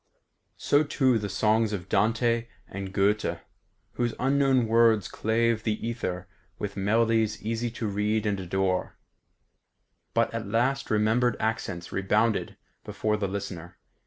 So too the songs of Dante and Goethe, whose unknown words clave the ether with melodies easy to read and to adore. But at last remembered accents rebounded before the listener.